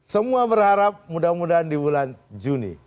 semua berharap mudah mudahan di bulan juni